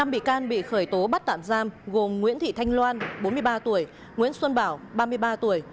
năm bị can bị khởi tố bắt tạm giam gồm nguyễn thị thanh loan bốn mươi ba tuổi nguyễn xuân bảo ba mươi ba tuổi